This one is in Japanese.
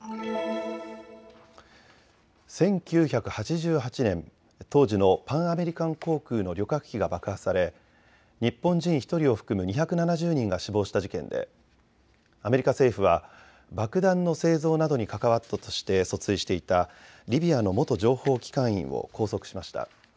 １９８８年、当時のパンアメリカン航空の旅客機が爆破され日本人１人を含む２７０人が死亡した事件でアメリカ政府は爆弾の製造などに関わったとして訴追していたリビアの元情報機関員を拘束しました。